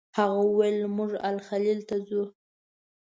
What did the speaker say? هغه وویل موږ الخلیل ته ځو.